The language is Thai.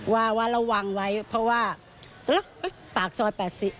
ว่าระวังไว้เพราะว่าปากซอย๘๐